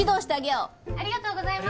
ありがとうございます。